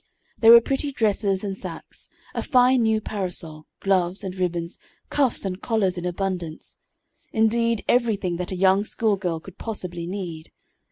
There were pretty dresses and sacques, a fine new parasol, gloves and ribbons, cuffs and collars in abundance indeed, everything that a young schoolgirl could possibly need.